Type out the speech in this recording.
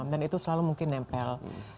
dan itu selalu mungkin nempel